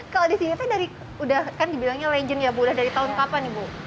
kalau di sini saya dari udah kan dibilangnya legend ya bu dari tahun kapan ya bu